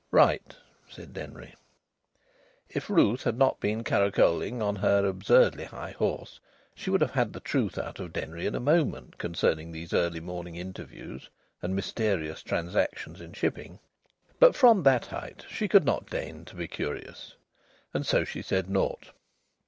"Right," said Denry. If Ruth had not been caracoling on her absurdly high horse, she would have had the truth out of Denry in a moment concerning these early morning interviews and mysterious transactions in shipping. But from that height she could not deign to be curious. And so she said naught.